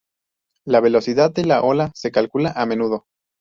La velocidad de la ola se calcula a menudo.